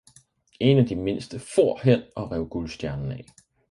En af de mindste fór hen og rev guldstjernen af.